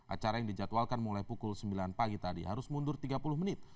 acara yang dijadwalkan mulai pukul sembilan pagi tadi harus mundur tiga puluh menit